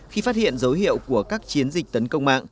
khi phát hiện dấu hiệu của các chiến dịch tấn công mạng